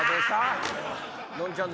のんちゃん